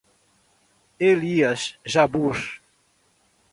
Elias Jabbour